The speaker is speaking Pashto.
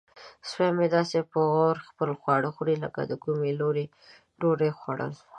سپی مې داسې په غور خپل خواړه خوري لکه د کومې لویې ډوډۍ خوړل.